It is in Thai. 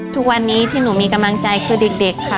ทุกวันนี้ที่หนูมีกำลังใจคือเด็กค่ะ